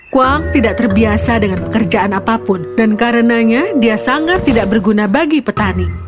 kuang tidak terbiasa dengan pekerjaan apapun dan karenanya dia sangat tidak berguna bagi petani